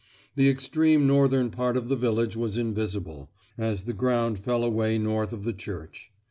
The extreme northern part of the village was invisible, as the ground fell away north of the church.